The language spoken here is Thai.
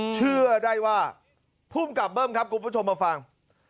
เชื่อได้ว่าภูมิกับเบิ้มครับคุณผู้ชมมาฟัง